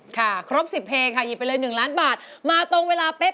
สกเศร้าเคราน้ำตา